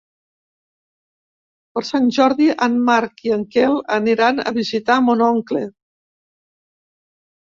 Per Sant Jordi en Marc i en Quel aniran a visitar mon oncle.